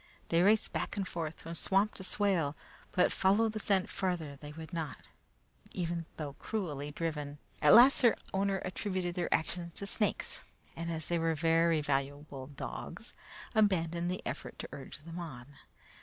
They raced back and forth from swamp to swale, but follow the scent farther they would not, even though cruelly driven. At last their owner attributed their actions to snakes, and as they were very valuable dogs, abandoned the effort to urge them on.